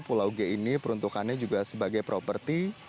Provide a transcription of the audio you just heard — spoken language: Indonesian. pulau g ini peruntukannya juga sebagai properti